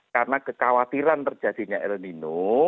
karena kekhawatiran terjadinya el nino